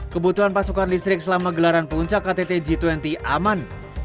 kebutuhan pasokan listrik selama gelaran puncak ktt g dua puluh aman